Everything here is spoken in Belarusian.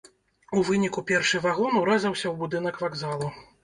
У выніку першы вагон урэзаўся ў будынак вакзалу.